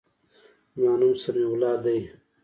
زما نوم سمیع الله دی.